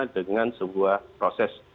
dengan sebuah proses